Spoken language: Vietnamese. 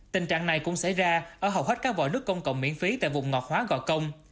tình trạng này cũng xảy ra ở hầu hết các vòi nước công cộng miễn phí tại vùng ngọt hóa gò công